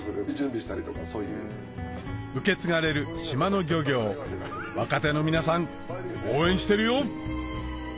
受け継がれる島の漁業若手の皆さん応援してるよ！